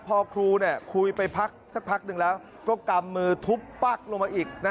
พอครูคุยไปพักสักพักหนึ่งแล้วก็กำมือทุบปั๊กลงมาอีก